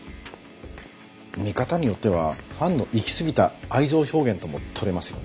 見方によってはファンのいきすぎた愛情表現とも取れますよね。